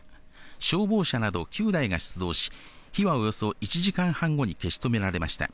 消防車など９台が出動し、火はおよそ１時間半後に消し止められました。